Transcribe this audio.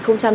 đấy là gì